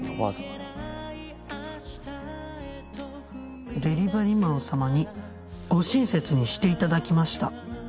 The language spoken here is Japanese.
「でりばりマン様にご親切にしていただきました。